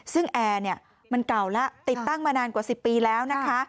ซึ่งแอร์เนี่ยมันเก่าแล้วติดตั้งมานานกว่า๑๐ปีแล้วนะคะ